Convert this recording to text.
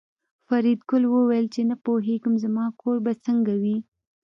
فریدګل وویل چې نه پوهېږم زما کور به څنګه وي